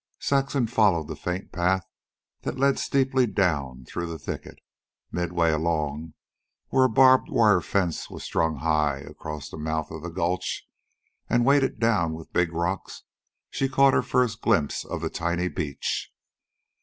Saxon followed the faint path that led steeply down through the thicket. Midway along, where a barbed wire fence was strung high across the mouth of the gulch and weighted down with big rocks, she caught her first glimpse of the tiny beach.